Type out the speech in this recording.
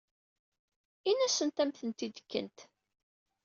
Ini-asent ad am-ten-id-kent.